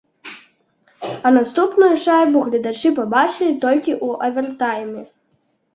А наступную шайбу гледачы пабачылі толькі ў авертайме.